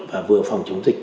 và vừa phòng chống dịch